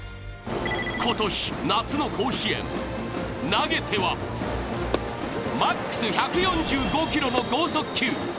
今年、夏の甲子園、投げてはＭＡＸ１４５キロの剛速球。